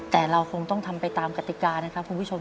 แต่เราคงต้องทำไปตามกติกานะครับคุณผู้ชม